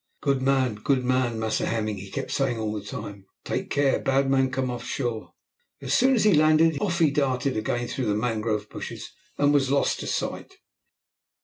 "Good man good man, Massa Hemming," he kept saying all the time. "Take care, bad man come off shore." As soon as he landed, off he darted again through the mangrove bushes, and was lost to sight.